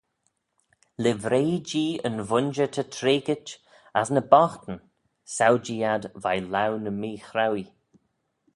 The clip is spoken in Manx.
Livrey-jee yn vooinjer ta treigit as ny boghtyn: saue-jee ad veih laue ny mee-chrauee.